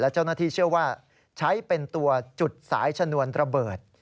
เจ้าหน้าที่เชื่อว่าใช้เป็นตัวจุดสายชนวนระเบิด